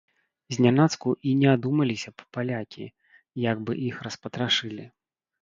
Знянацку і не адумаліся б палякі, як бы іх распатрашылі!